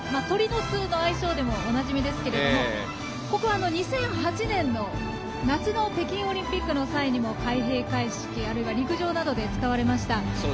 鳥の巣の愛称でもおなじみですがここは、２００８年の夏の北京オリンピックの際にも開閉会式、あるいは陸上などで使われました。